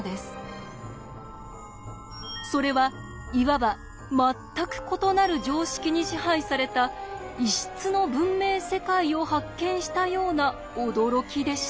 それはいわば全く異なる常識に支配された異質の文明世界を発見したような驚きでした。